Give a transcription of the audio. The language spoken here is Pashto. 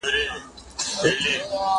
ورو په ورو د لېوه خواته ور نیژدې سو